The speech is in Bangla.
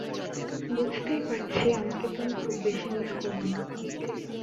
বুঝতেই পারছি আমাকে তুমি খুব বেশি মিস করবে না।